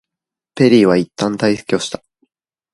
ペリーはいったん退去した。